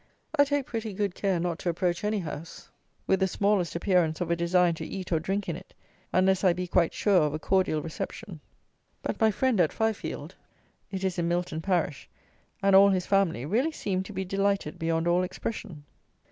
I take pretty good care not to approach any house, with the smallest appearance of a design to eat or drink in it, unless I be quite sure of a cordial reception; but my friend at Fifield (it is in Milton parish) and all his family really seemed to be delighted beyond all expression.